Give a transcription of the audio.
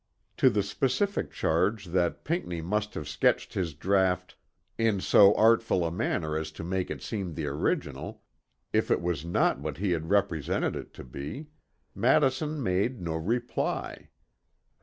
To the specific charge that Pinckney must have sketched his draught "in so artful a manner as to make it seem the original" if it was not what he had represented it to be, Madison made no reply.